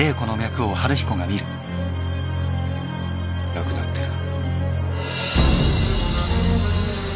亡くなってる。